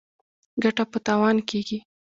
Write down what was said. ګټه په تاوان کیږي.